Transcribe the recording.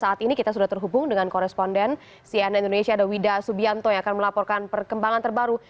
saat ini kita sudah terhubung dengan koresponden cnn indonesia ada wida subianto yang akan melaporkan perkembangan terbaru